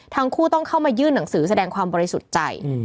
ทั้งคู่ต้องเข้ามายื่นหนังสือแสดงความบริสุทธิ์ใจ